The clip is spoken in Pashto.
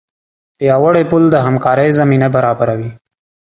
پیاوړی پل د همکارۍ زمینه برابروي.